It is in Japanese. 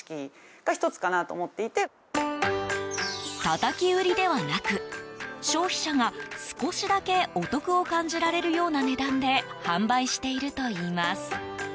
たたき売りではなく消費者が少しだけお得を感じられるような値段で販売しているといいます。